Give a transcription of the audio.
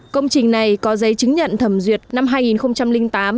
công trình này có giấy chứng nhận thẩm duyệt năm hai nghìn tám